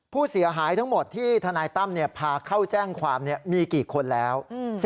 ผู้เสียหายทั้งหมดที่ทนายตั้มพาเข้าแจ้งความมีกี่คนแล้ว